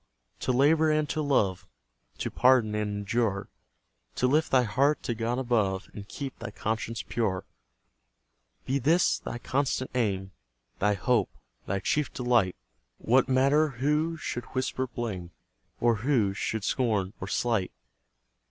To labour and to love, To pardon and endure, To lift thy heart to God above, And keep thy conscience pure; Be this thy constant aim, Thy hope, thy chief delight; What matter who should whisper blame Or who should scorn or slight?